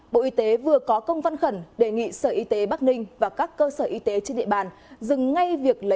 bộ y tế vừa có công văn khẩn đề nghị sở y tế bắc ninh và các cơ sở y tế trên địa bàn dừng ngay việc lấy